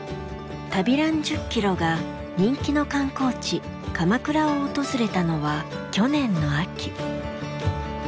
「旅ラン１０キロ」が人気の観光地鎌倉を訪れたのは去年の秋。